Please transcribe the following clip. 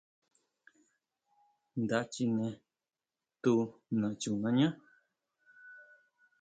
Nda chine tu nachunañá.